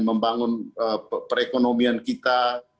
membangun perekonomian kita